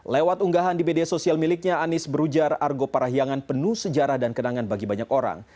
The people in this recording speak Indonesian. lewat unggahan di media sosial miliknya anies berujar argo parahiangan penuh sejarah dan kenangan bagi banyak orang